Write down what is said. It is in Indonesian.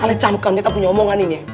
kalian coba lihat kita punya omongan ini ya